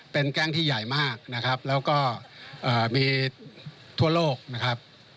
เป็นแกล้งที่ใหญ่มากนะครับแล้วก็มีทั่วโลกนะครับ